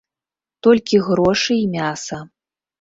Толькі грошы і мяса.